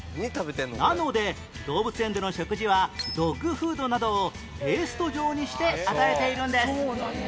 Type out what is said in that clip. なので動物園での食事はドッグフードなどをペースト状にして与えているんです